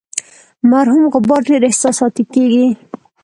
مرحوم غبار ډیر احساساتي کیږي.